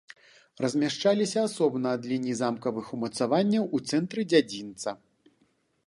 Размяшчаліся асобна ад лініі замкавых умацаванняў у цэнтры дзядзінца.